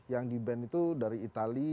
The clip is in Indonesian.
yang di ban itu dari itali